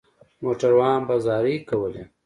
موټروان به زارۍ کولې.